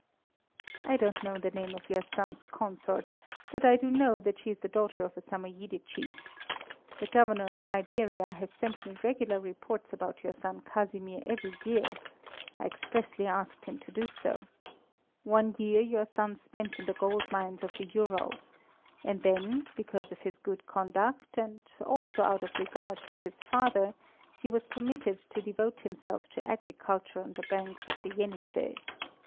"I don't know the name of your son's consort; but I do know that she is the daughter of a Samoyede chief. The Governor of Siberia has sent me regular reports about your son Casimir every year. I expressly asked him to do so. One year your son spent in the gold mines of the Urals, and then, because of his good conduct, and also out of regard to his father, he was permitted to devote himself to agriculture on the banks of the Jenisei.